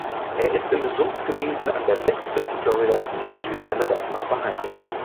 Er ist in Sumpfgebieten an der Westküste Floridas und im Süden Alabamas beheimatet.